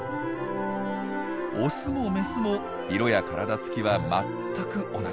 オスもメスも色や体つきは全く同じ。